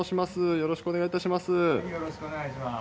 よろしくお願いします。